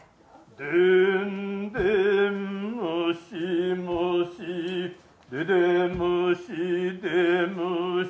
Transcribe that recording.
でんでんむしむしででむしでむし。。